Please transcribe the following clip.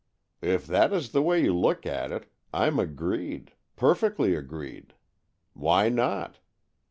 "If that is the way you look at it, I'm agreed — perfectly agreed. Why not?